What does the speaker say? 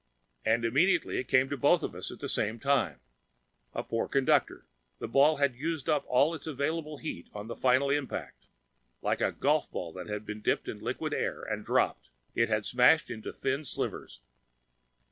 And immediately it came to both of us at the same time. A poor conductor, the ball had used up all its available heat on that final impact. Like a golfball that has been dipped in liquid air and dropped, it had smashed into thin splinters.